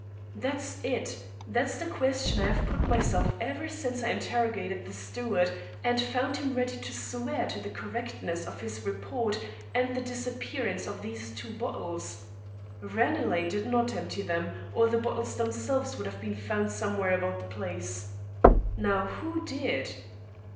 "That's it! That's the question I have put myself ever since I interrogated the steward and found him ready to swear to the correctness of his report and the disappearance of these two bottles. Ranelagh did not empty them, or the bottles themselves would have been found somewhere about the place. Now, who did?"